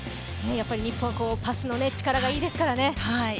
日本、パスの力がいいですからね。